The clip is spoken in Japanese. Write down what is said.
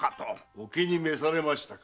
お気に召されましたかな？